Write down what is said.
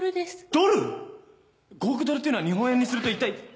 ドル⁉５億ドルっていうのは日本円にすると一体。